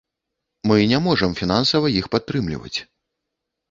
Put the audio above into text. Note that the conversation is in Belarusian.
Мы не можам фінансава іх падтрымліваць.